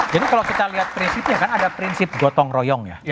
jadi kalau kita lihat prinsipnya kan ada prinsip gotong royong ya